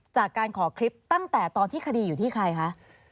จากการขอคลิปตั้งแต่ตอนที่คดีอยู่ที่ใครคะ